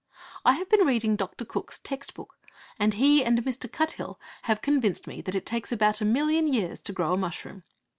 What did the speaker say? I have been reading Dr. Cooke's text book, and he and Mr. Cuthill have convinced me that it takes about a million years to grow a mushroom.